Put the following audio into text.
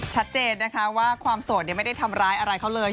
ชัดเจนนะคะว่าความโสดไม่ได้ทำร้ายอะไรเขาเลย